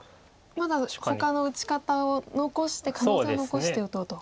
まだほかの打ち方を残して可能性を残して打とうと。